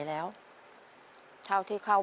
บานประตูนี้มีผ้าม่านอะไรยังไง